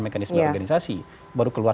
mekanisme organisasi baru keluar